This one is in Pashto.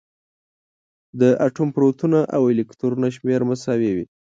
د اتوم پروتونونه او الکترونونه شمېر مساوي وي.